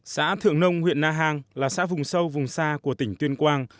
xã thượng nông huyện na hàng là xã vùng sâu vùng xa của tỉnh tuyên quang